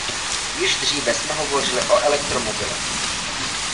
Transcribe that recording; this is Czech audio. Již dříve jsme hovořili o elektromobilech.